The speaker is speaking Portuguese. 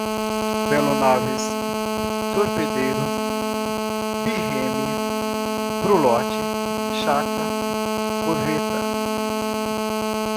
Belonaves, torpedeiro, birreme, brulote, chata, corveta